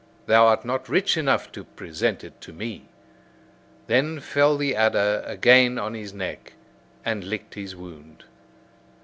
Thou art not rich enough to present it to me." Then fell the adder again on his neck, and licked his wound.